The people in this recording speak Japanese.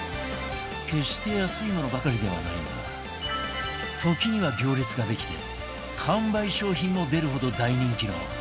決して安いものばかりではないが時には行列ができて完売商品も出るほど大人気の